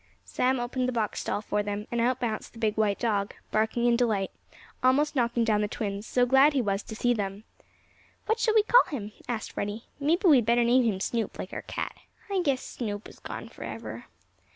Sam opened the box stall for them, and out bounced the big white dog, barking in delight, and almost knocking down the twins, so glad was he to see them. "What shall we call him?" asked Freddie. "Maybe we'd better name him Snoop, like our cat. I guess Snoop is gone forever."